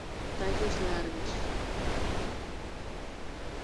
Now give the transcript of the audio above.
Tallos alargados.